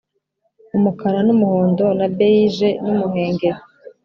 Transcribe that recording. umukara n'umuhondo na beige n'umuhengeri,